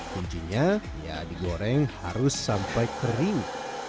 kuncinya ya digoreng harus sampai kering